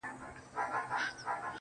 ځوان د پوره سلو سلگيو څه راوروسته.